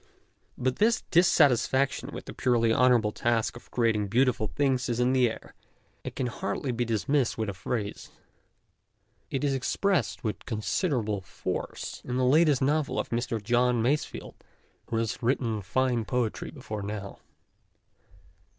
But this dissatisfaction with the purely honourable task of creating beautiful things is in the air, and can hardly be dismissed with a phrase. It is expressed with con siderable force in the latest novel of Mr. John Masefield, who has written fine poetry before now.